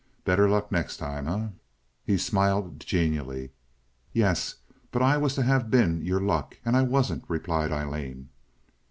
Better luck next time, eh?" He smiled genially. "Yes, but I was to have been your luck, and I wasn't," replied Aileen.